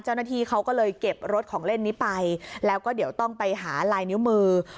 เจ้าหน้าที่เขาก็เลยเก็บรถของเล่นนี้ไปแล้วก็เดี๋ยวต้องไปหาลายนิ้วมือ